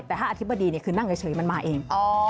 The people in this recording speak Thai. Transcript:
แต่ถ้าอธิบดีคือนั่งเฉยมันมาเอง